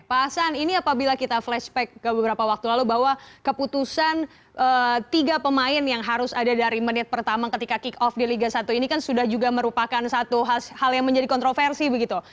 pak hasan ini apabila kita flashback ke beberapa waktu lalu bahwa keputusan tiga pemain yang harus ada dari menit pertama ketika kick off di liga satu ini kan sudah juga merupakan satu hal yang menjadi kontroversi begitu